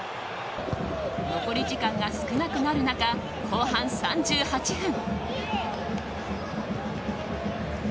残り時間が少なくなる中後半３８分。